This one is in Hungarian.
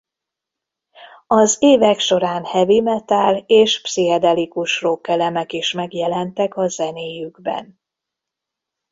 Az évek során heavy metal és pszichedelikus rock elemek is megjelentek a zenéjükben.